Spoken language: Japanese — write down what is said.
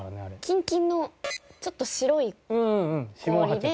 キンキンのちょっと白い氷で。